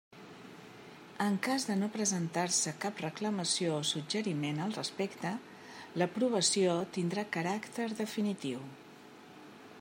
En cas de no presentar-se cap reclamació o suggeriment al respecte, l'aprovació tindrà caràcter definitiu.